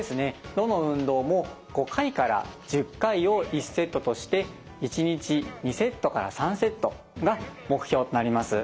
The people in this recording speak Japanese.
どの運動も５回から１０回を１セットとして１日２セットから３セットが目標となります。